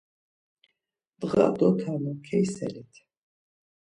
Ndğa dotanu, keyiselit.